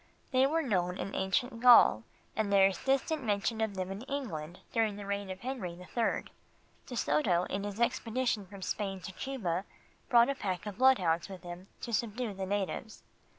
They were known in ancient Gaul, and there is distinct mention of them in England during the reign of Henry the Third. De Soto in his expedition from Spain to Cuba brought a pack of bloodhounds with him to subdue the natives.